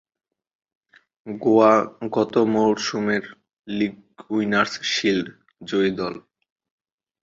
গোয়া গত মরসুমের "league winners shield" জয়ী দল।